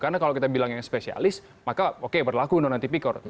karena kalau kita bilang yang spesialis maka oke berlaku undang undang tipikor